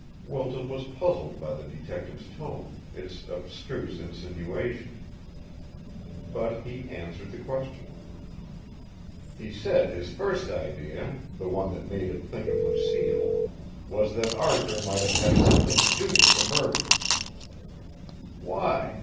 Wilton was puzzled by the detective's tone, its abstruse insinuation. But he answered the question. "He said his first idea, the one that made him think of Lucille, was that Arthur might have had something to do with the murder." "Why?